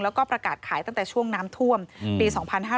แล้วก็ประกาศขายตั้งแต่ช่วงน้ำท่วมปี๒๕๕๙